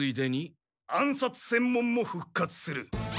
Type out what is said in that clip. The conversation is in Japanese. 暗殺専門もふっ活する。